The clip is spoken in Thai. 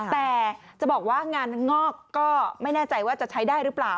แต่จะบอกว่างานงอกก็ไม่แน่ใจว่าจะใช้ได้หรือเปล่า